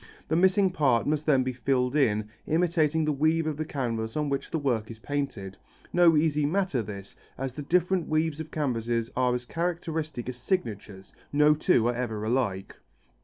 The missing part must then be filled in, imitating the weave of the canvas on which the work is painted. No easy matter this, as the different weaves of canvases are as characteristic as signatures: no two are ever alike.